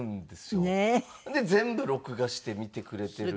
全部録画して見てくれてる。